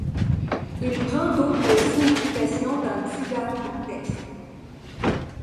Il prend d'autres significations dans divers contextes.